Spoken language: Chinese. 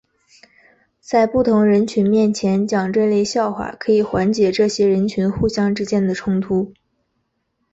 在不同人群面前讲这类笑话可以缓解这些人群互相之间的冲突。